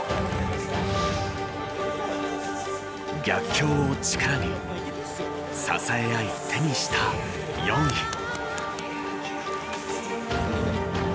逆境を力に支え合い手にした４位。